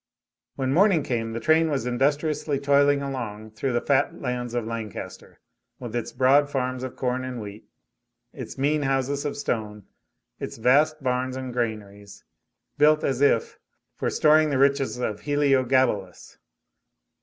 When morning came the train was industriously toiling along through the fat lands of Lancaster, with its broad farms of corn and wheat, its mean houses of stone, its vast barns and granaries, built as if, for storing the riches of Heliogabalus.